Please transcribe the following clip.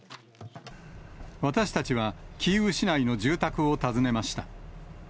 私たちは、キーウ市内の住宅を訪ねました。